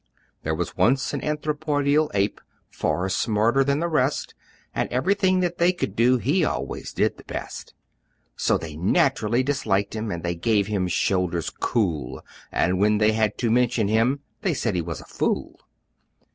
There was once an Anthropoidal Ape, Far smarter than the rest, And everything that they could do He always did the best; So they naturally disliked him, And they gave him shoulders cool, And when they had to mention him They said he was a fool.